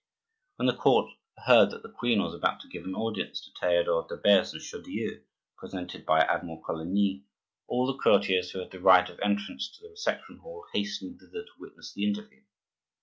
When the court heard that the queen was about to give an audience to Theodore de Beze and Chaudieu, presented by Admiral Coligny, all the courtiers who had the right of entrance to the reception hall, hastened thither to witness the interview.